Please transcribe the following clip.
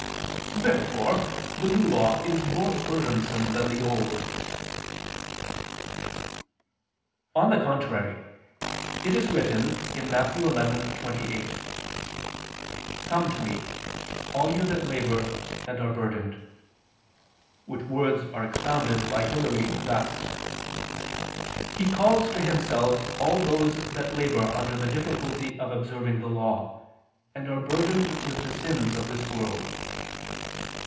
Therefore the New Law is more burdensome than the Old. On the contrary, It is written (Matt. 11:28): "Come to Me, all you that labor and are burdened": which words are expounded by Hilary thus: "He calls to Himself all those that labor under the difficulty of observing the Law, and are burdened with the sins of this world."